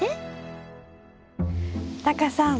タカさん